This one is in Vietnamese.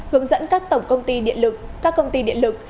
hướng dẫn các tổng công ty điện lực